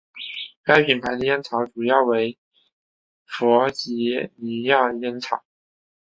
该品牌的烟草主要为弗吉尼亚烟草。